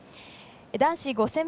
男子５０００